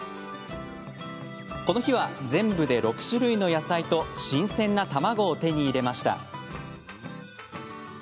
この日は、全部で６種類の野菜と新鮮な卵を手に入れました。